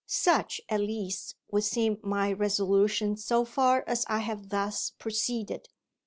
Such at least would seem my resolution so far as I have thus proceeded.